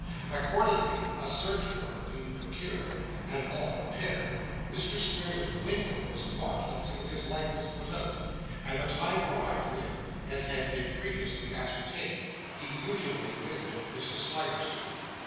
Accordingly, a search warrant being procured, and all prepared, Mr Squeers's window was watched, until his light was put out, and the time arrived when, as had been previously ascertained, he usually visited Mrs. Sliderskew.